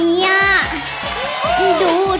โมโฮโมโฮโมโฮ